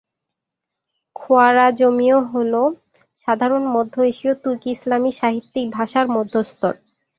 খোয়ারাজমীয় হলো সাধারণ মধ্য এশীয় তুর্কি-ইসলামি সাহিত্যিক ভাষার মধ্য স্তর।